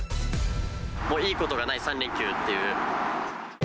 もういいことがない３連休っていう。